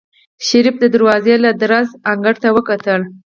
شريف د دروازې له درزه انګړ ته وکتل.